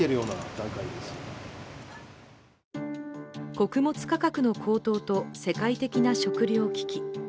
穀物価格の高騰と世界的な食料危機。